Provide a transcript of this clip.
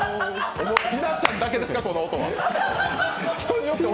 稲ちゃんだけですか、この音は？